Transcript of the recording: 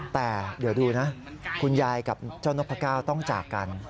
แต่เดี๋ยวดูนะคุณยายกับเจ้านกพระเก้าต้องจากกัน